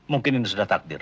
mungkin ini sudah takdir